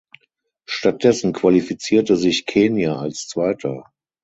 Stattdessen qualifizierte sich Kenia als Zweiter.